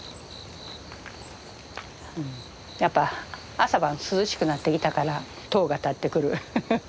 やっぱ朝晩涼しくなってきたからとうが立ってくるフフッ。